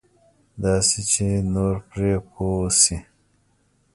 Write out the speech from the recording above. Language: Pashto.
داسې چې نور پرې پوه شي.